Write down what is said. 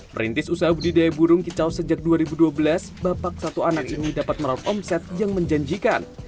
perintis usaha budidaya burung kicau sejak dua ribu dua belas bapak satu anak ini dapat meraup omset yang menjanjikan